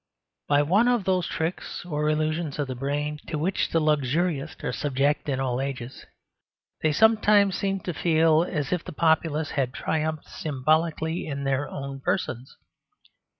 By one of those tricks or illusions of the brain to which the luxurious are subject in all ages, they sometimes seemed to feel as if the populace had triumphed symbolically in their own persons.